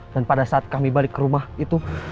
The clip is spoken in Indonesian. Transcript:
dan pada saat kami balik ke rumah itu